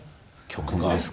曲が。